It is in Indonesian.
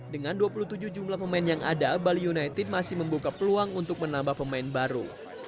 dengan dua puluh tujuh jumlah pemain yang ada bali united masih membuka peluang untuk menambah pemain baru